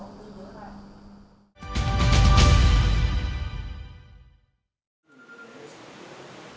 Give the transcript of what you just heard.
văn phòng chính phủ